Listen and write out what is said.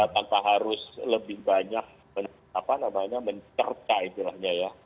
tanpa harus lebih banyak mencerca istilahnya ya